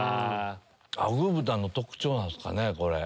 アグー豚の特徴なんすかねこれ。